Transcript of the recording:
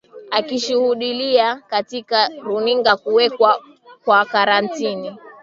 akishuhudilia katika runinga kuwekwa kwa karantini